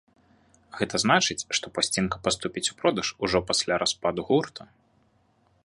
Гэта значыць, што пласцінка паступіць у продаж ужо пасля распаду гурта.